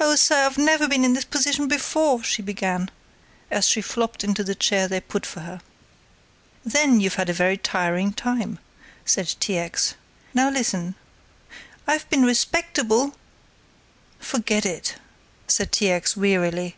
"Oh, sir, I've never been in this position before," she began, as she flopped into the chair they put for her. "Then you've had a very tiring time," said T. X. "Now listen " "I've been respectable " "Forget it!" said T. X., wearily.